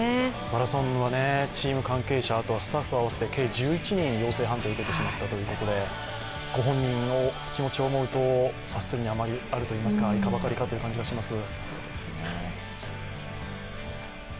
マラソンはチーム、関係者、スタッフ合わせて計１１人、陽性判定を受けてしまったということで、ご本人の気持ちを思うと察するに余りあるといいますか、いかばかりかという感じがします。